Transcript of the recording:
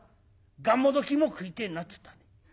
『がんもどきも食いてえな』っつったね。